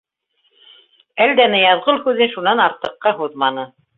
Әлдә Ныязғол һүҙен шунан артыҡҡа һуҙманы.